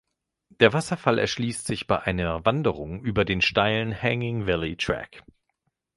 Der Wasserfall erschließt sich bei einer Wanderung über den steilen "Hanging Valley Track".